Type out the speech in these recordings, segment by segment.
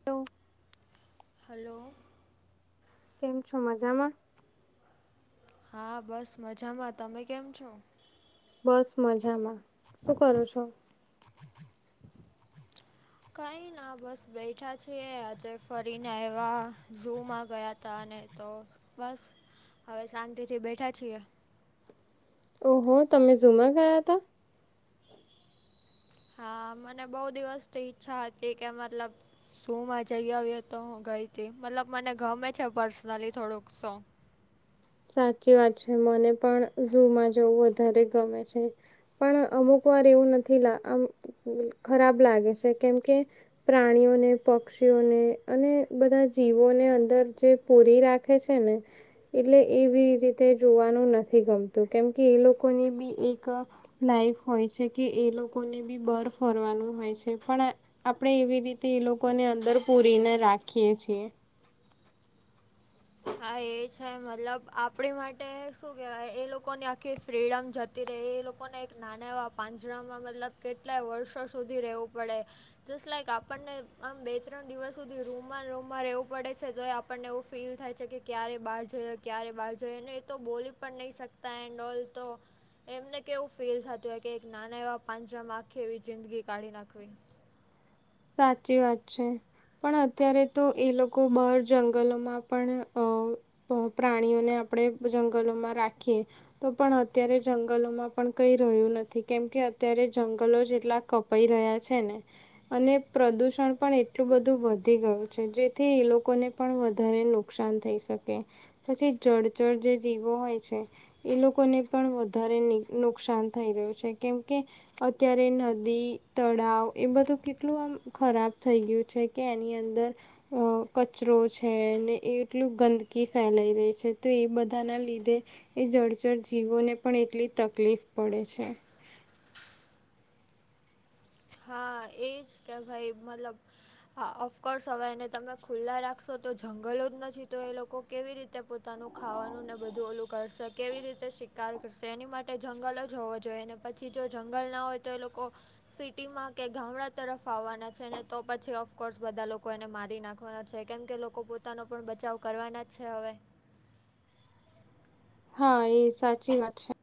[inaudible] હાલો. કેમ છો મજામાં? હા બસ મજામાં તમે કેમ છો? બસ મજામાં શું કરો છો? કંઈ ના બસ બેઠા છીએ. આજે ફરીને આયવા ઝૂ માં ગયા તા ને તો બસ હવે શાંતિથી બેઠા છીએ. ઓહો તમે ઝુ મા ગયાતા? હા મને બહો દિવસથી ઈચ્છા હતી કે મતલબ શું માં જઈ આવ્યે તો હું ગઈતી મતલબ મને ગમે છે, પર્સનલી થોડુંક શો સાચી વાત છે. મને પણ ઝુમાં જવું વધારે ગમે છે. પણ અમુક વાર એવું નથી લા ખરાબ લાગે છે. કેમકે પ્રાણીઓને, પક્ષીઓને અને બધા જીવોને અંદર જે પૂરી રાખે છે, ને એટલે એવી રીતે જોવાનું નથી ગમતું કેમ કે એ લોકોને બી એક લાઈફ હોય છે, કે એ લોકોને બી બાર ફરવાનું હોય છે, પણ આપણેે એવી રીતે એ લોકોને અંદર પુરીને રાખીએ છીએ. હા એ છે, મતલબ આપણી માટે શું કહેવાય એ લોકોને આખી ફ્રીડમ જ તી રેય એ લોકોને એક નાના એવા પાંજરામાં મતલબ કેટલાય વર્ષો સુધી રહેવું પડે જસ્ટ લાઈક આપણને આમ બે ત્રણ દિવસ સુધી રૂમમાંને રૂમમાં રહેવું પડે છે, તો એ આપણને એવું ફીલ થાય. છે, કે ક્યારે બાર જઈએ ક્યારે બાર જઈએ અને એ તો બોલી પણ નહી શકતા એ [unintelligible] તો એમને કેવું ફીલ થતું હોય કે એક નાના એવા પાંજરામાં આખી એવી જિંદગી કાઢી નાખવી. સાચી વાત છે. પણ અત્યારે તો એ લોકો બાર જંગલોમાં પણ અ પ્ર પ્રાણીઓને આપણે જંગલોમાં રાખીએ. તો પણ અત્યારે જંગલોમાં પણ કઈ રહ્યું નથી કેમ કે અત્યારે જંગલો જેટલા ક પાઈ રહ્યા છે, ને અને પ્રદૂષણ પણ એટલું બધું વધી ગયું છે, જેથી એ લોકોને પણ વધારે નુ નુકસાન થઈ શકે. પછી જળચર જે જીવો હોય છે એ લોકોને પણ વધારે ની નુકસાન થઈ રહ્યું છે કેમ કે અત્યારે નદી તળાવ એ બધું કેટ એટલું આમ ખરાબ થઈ ગયું છે કે એની અંદર અ કચરો છે ને એ એટલું ગંદકી ફેલાઈ રહી છે તો એ બધાના લીધે એ જળચર જીવોને પણ એટલી જ તકલીફ પડે છે. હા એ જ કે ભાઈ મતલબ હા અફકોર્સ હવે એને તમે ખુલ્લા રાખશો તો જંગલો જ નથી તો એ લોકો કેવી રીતે પોતાનું ખાવાનું ને બધું ઓલું કરશે, કેવી રીતે શિકાર કરશે? એની માટે જંગલો જ હોવો જોઈએ ને. પછી જો જંગલ ના હોય તો એ લોકો [unintelligible] ટીમાં કે ગામડા તરફ આવવાના છે ને તો પછી ઓફકોર્સ બધા લોકો એને મારી નાખવાના છે કેમ કે લોકો પોતાનો પણ બચાવ કરવાના જ છે હવે. હા એ સાચી વાત છે.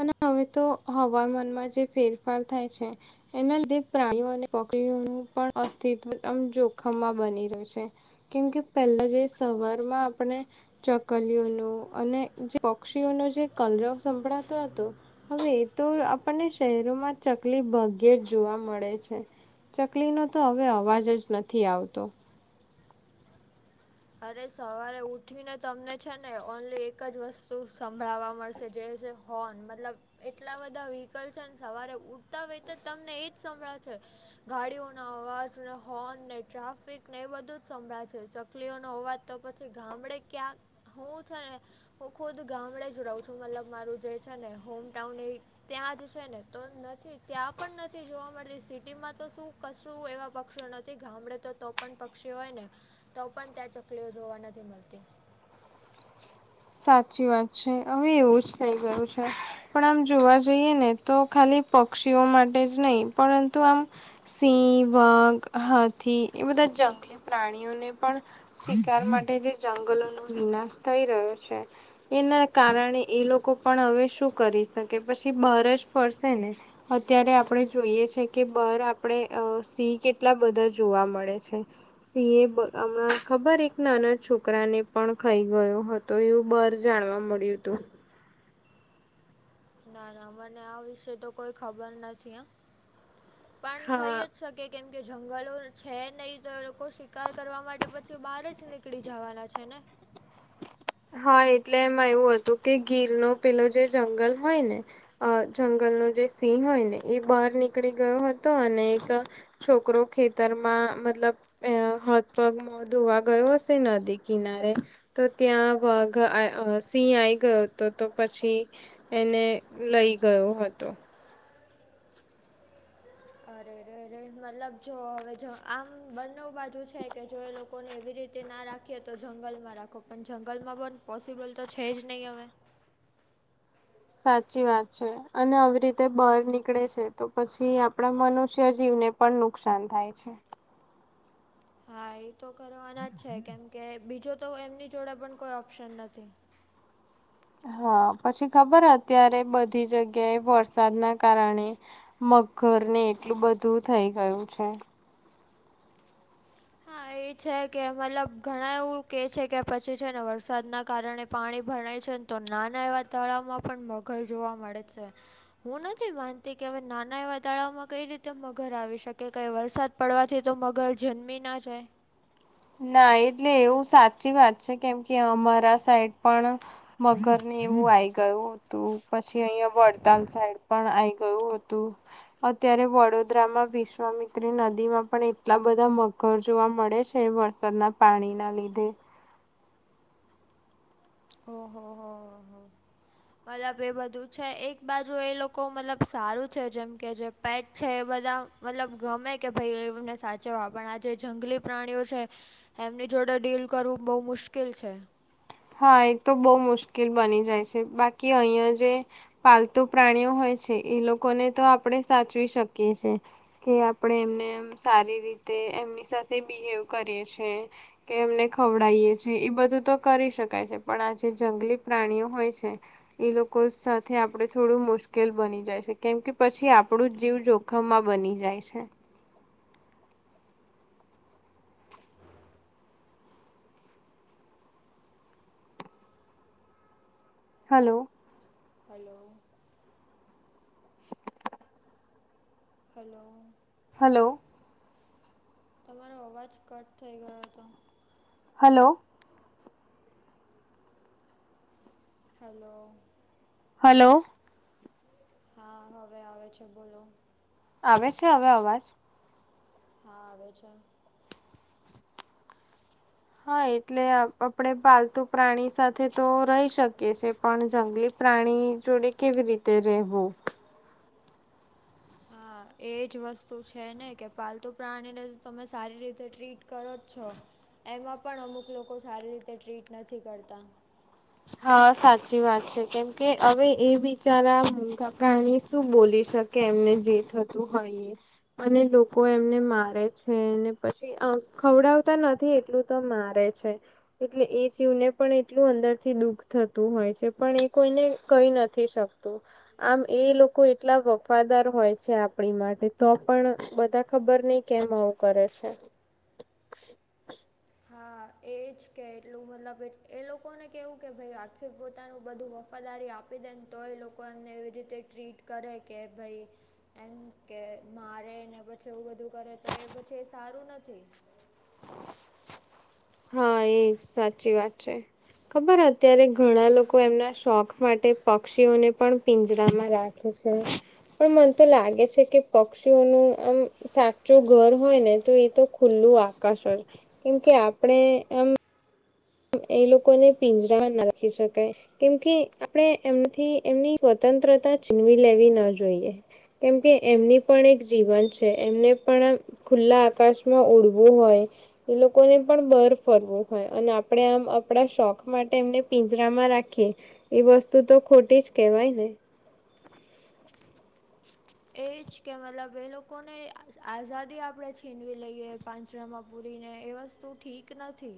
અને હવે તો હવામાનમાં જે ફેરફાર થાય છે એના લીધે પ્રાણીઓ અને પક્ષીઓનું પણ અસ્તિત્વ આમ જોખમમાં બની રહેશે. કેમ કે પેલાં જે સવારમાં આપણે ચકલીઓનું અને [unintelligible] પક્ષીઓનો જે કલરવ સંભળાતો હતો હવે એ તો આપણને શહેરોમાં ચકલી ભાગ્યે જ જોવા મળે છે. ચકલીનો તો હવે અવાજ જ નથી આવતો. અરે સવારે ઉઠીને તમને છે ને ઓનલી એક જ વસ્તુ સંભળાવવા મળશે જે છે હોર્ન મતલબ એટલા બધા વ્હીકલ છે ને સવારે ઉઠતા વેત જ તમને ઇ જ સંભળાવ છે ગાડીઓના અવાજને હોર્ન ને ટ્રાફિક ને એ બધુ જ સંભળાય છે. ચક લીઓનો અવાજ તો પછી ગામડે ક્યાંક હું છે ને હું ખુદ ગામડે જ રહું છું મતલબ મારું જે છે ને હોમટાઉન એ ત્યાં જ છે ને તો નથી જ. ત્યાં પણ નથી જોવા મળતી સિટીમાં તો શું કશું એવા પક્ષીઓ નથી ગામડે તો તો પણ પક્ષીઓ હોય ને તો પણ ત્યાં ચકલીઓ જોવા નથી મળતી. સાચી વાત છે હવે એવું જ થઈ ગયું છે. પણ આમ જોવા જઈએ ને તો ખાલી પક્ષીઓ માટે જ નહીં પરંતુ આમ સિંહ વાઘ હાથી એ બધા જંગલી પ્રાણીઓને પણ શિકાર માટે જે જંગલોનો વિનાશ થઈ રહ્યો છે. એના કારણે એ લોકો પણ હવે શું કરી શકે, પછી બહાર જ ફરશે ને? અત્યારે આપણે જોઈએ છે કે બાર આપણે અ સિંહ કેટલા બધા જોવા મળે છે? સિંહે હમણાં ખબર એક નાના છોકરાને પણ ખાઈ ગયો હત. તો એવું બાર જાણવા મળ્યું તું. ના ના મને આ વિશે તો કોઈ ખબર નથી હા. પણ થઈ હા. અ જ શકે કેમ કે જંગલો છે નહી તો એ લોકો શિકાર કરવા માટે પછી બહાર જ નીકળી જવાના છે ને. હા એટલે એમાં એવું હતું કે ગીરનું પેલુ જે જંગલ હોય ને. અ જંગલનો જે સિંહ હોય ને એ બહાર નીકળી હતો અને એક છોકરો ખેતરમાં મતલબ અ હાથ પગ મો ધોવા ગયો હશે નદી કિનારે તો ત્યાં વાઘ અ સિંહ આઈ ગયો તો, તો પછી એને લઈ ગયો હતો. અરે રે રે રે મતલબ જો હવે જો આમ બંને બાજુ છે કે જો એ લોક ને એવી રીતે ના રાખીએ તો જંગલમાં રાખો પણ જંગલમાં પણ પોસિબલ તો છે જ નહીં હવે. સાચી વાત છે અને આવી રીતે બહાર નીકળે છે તો પછી આપણા મનુષ્ય જીવને પણ નુકસાન થાય છે. હા એ તો કરવાના જ છે કેમ કે બીજો તો એમની જોડે પણ કોઈ ઓપ્શન નથી. હા પછી ખબર અત્યારે બધી જગ્યાએ વરસાદના કારણે [unintelligible] ને એટલું બધું થઈ ગયું છે. હા એ છે કે મતલબ ઘણા એવું કે છે કે પછી છે ને વરસાદના કારણે પાણી [unintelligible] છેન તો નાના એવા તળાવમાં પણ મગર જોવા મળે છે. હું નથી માનતી કે હવે નાના એવા તાળાવ માં કઈ રીતે મગર આવી શકે કઈ વરસાદ પડવાથી તો મગર જન્મી ના જાય? ના એટલે એવું સાચી વાત છે કેમ કે અમારા સાઈડ પણ મગર ને એવું આઈ ગયું. તો પછી અહિયાં વડતાલ સાઈડ પણ આઈ ગયું હતું. અત્યારે વડોદરામાં વિશ્વામિત્રી નદી માં પણ એટલા બધા મગર જોવા મળે છ તે વરસાદના પાણીના લીધે હો હો હો હો હો મતલબ એ બધું છે એક બાજુ એ લોકો મતલબ સારું છે જેમ કે જે પેટ છે એ બધા મતલબ ગમે કે ભઈ એમને સાચવવા પણ આ જે જંગલી પ્રાણીઓ છે. એમની જોડે ડીલ કરવું બોઉ મુશ્કેલ છે. હા એ તો બોહ મુશ્કેલ બની જાય છે બાકી અહીંયા જે પાલતુ પ્રાણીઓ હોય છે ઈ લોકોને તો આપણે સાચવી શકીએ છે. કે આપણે એમને એમ સારી રીતે એમની સાથે બિહેવ કરીએ છે. કે એમને ખવડાયએ છે ઈ બધું તો કરી શક [unintelligible] પણ આ જે જંગલી પ્રાણીઓ હોય છે. ઈ લોકો સાથે આપડે થોડું મુશ્કેલ બની જાય છે કેમ કે પછી આપણું જીવ જો [unintelligible] બની જાય છે. હલો. હલો. હલો. હલો. તમારો અવાજ કટ થઈ ગયો હતો. હલો. હલો. હલો. હા હવે આવે છે બોલો. આવે છે હવે અવાજ? હા આવે છે. હા એટલે આપણે પાલતુ પ્રાણી સાથે તો રહી શકીએ છે. પણ જંગલી પ્રાણી જોડે કેવી રીતે રેહવું? એક. હા એ જ વસ્તુ છે ને કે પાલતુ પ્રાણીને તમે સારી રીતે ટ્રીટ કરો જ છો. એમાં પણ અમુક લોકો સારી રીતે ટ્રીટ નથી કરતા. હા સાચી વાત છે કેમ કે હવે એબી બિચારા મૂંગા પ્રાણી શું બોલી શકે એમને જે થતું હોય [unintelligible] અને લોકો એમને મારે છે ને પછી આમ ખવડાવતા નથી એટલું તો મારે છે એટલે એ [unintelligible] પણ એટલું અંદર થી દુઃખ થતું હોય છે પણ એ કોઈને કહી નથી શકતું. આમ એ લોકો એટલા વફાદાર હોય છે આપણી માટે તો પણ બધા ખબર નહીં કેમ આવું કરે છે. [inaudible] હા એ જ કે એટલું મતલબ એ લોકોને કેહેવું કે ભઈ આખી પોતાનું બધું વફાદારી આપે આપી દેન તોય લોકો એમને એવી રીતે ટ્રીટ કરે ને કે ભઈ એમ કે મારે ને પછી એવું બધું કરે તો એ પછી સારું નથી. હા એ સાચી વાત છે ખબર અત્યારે ઘણા લોકો એમના શોખ માટે પક્ષીઓને પણ પિંજરામાં રાખે છે. પણ મને તો લાગે છે પક્ષીઓનું આમ સાચું ઘર હોય ને તો એ તો ખુલ્લું આકાશ જ કેમકે આપડે આમ એ લોકોને પિંજરામાં નાખી શકાય કેમ કે આપણે એમથી એમની સ્વતંત્રતા છીનવી લેવી ના જોઈએ. કેમ કે એમની પણ એક જીવન છે એમને પણ આ ખુલ્લા આકાશમાં ઉડવું હોય તો એ લોકોને પણ બાર ફરવું હોય અને આપ આપણે આમ આપણા શોખ માટે એમને પિંજરામાં રાખીએ એ વસ્તુ તો ખોટી જ કેહેવાય ને એજ કે મતલબ એ લોકોને આઝાદી આપણેે છીનવી લઈએ પાંજરામાં પૂરીને એ વસ્તુ ઠીક નથી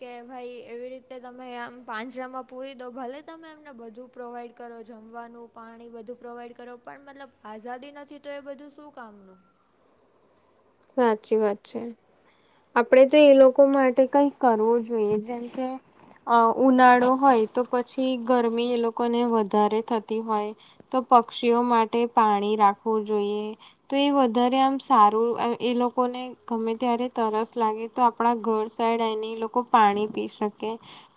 કે ભાઈ એવી રીતે તમે આમ પાંજરામાં પૂરી દો ભલે તમે એમને બધું પ્રોવાઈડ કરો જમવાનું પાણી બધું પ્રોવાઈડ કરો પણ મતલબ આઝાદી નથી તો એ બધું શું કામનું સાચી વાત છે આપણેે તો એ લોકો માટે કઈક કરવું જોઈએ. જેમ કે અ ઉનાળો હોય તો પછી ગરમી એ લોકોને વધારે થતી હોય તો પક્ષીઓ માટે પાણી રાખવું જોઈએ. તો એ વધારે આમ સારું એ લોકોને ગમે ત્યારે તરસ લાગે તો આપણા ઘર સાઈડ આવીને એ લોકો પાણી પી શકે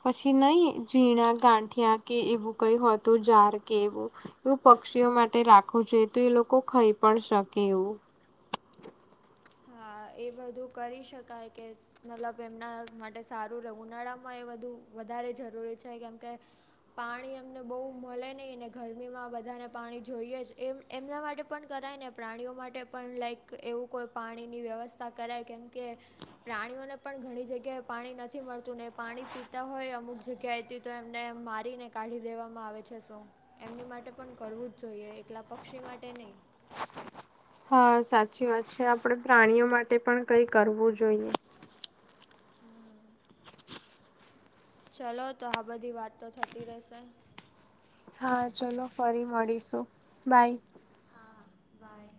પછી નહી ઝીણા ગાંઠિયા કે એવું કઈ હોતું જાર કે એવું એવું પક્ષીઓ માટે રાખવું જોઈએ તો એ લોકો ખઈ પણ શકે એવું હા એ બધું કરી શકાય કે મતલબ એમના માટે સારું રહે ઉનાળામાં એ બધું વધારે જરૂરી છે કેમ કે પાણી અમને બહુ મલે નહીં ને ગરમીમાં બધાને પાણી જોઈએ જ એમ એમના માટે પણ કરાય ને પ્રાણીઓ માટે પણ લાઈક એવું કોઈ પાણીની વ્યવસ્થા કરાય કેમ કે પ્રાણીઓને પણ ઘણી જગ્યાએ પાણી નથી મળતું ને પાણી પીતા હોય અમુક જગ્યાએ થી તો એમને મારીને કાઢી દેવામાં આવે છે શું એમની માટે પણ કરવું જ જોઈએ એકલા પક્ષી માટે નહીં હા સાચી વાત છે આપણેે પ્રાણીઓ માટે પણ કઈ કરવું જોઈએ. [unintelligible] ચલો તો આ બધી વાત તો થતી રહેશે. હા ચલો ફરી મળીશું બાય હા બાય